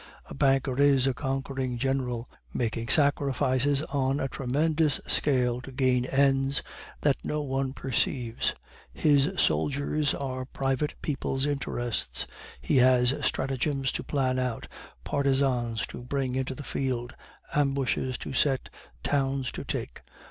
A banker is a conquering general making sacrifices on a tremendous scale to gain ends that no one perceives; his soldiers are private people's interests. He has stratagems to plan out, partisans to bring into the field, ambushes to set, towns to take.